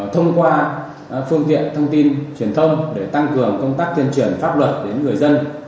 thông qua phương tiện thông tin truyền thông để tăng cường công tác tuyên truyền pháp luật đến người dân